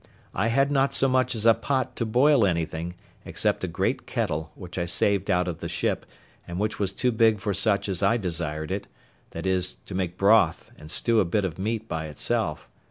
I had not so much as a pot to boil anything, except a great kettle, which I saved out of the ship, and which was too big for such as I desired it—viz. to make broth, and stew a bit of meat by itself.